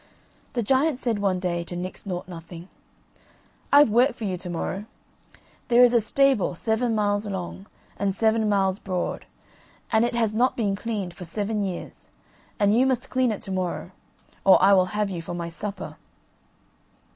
The giant said one day to Nix Nought Nothing: "I've work for you to morrow. There is a stable seven miles long and seven miles broad, and it has not been cleaned for seven years, and you must clean it to morrow, or I will have you for my supper."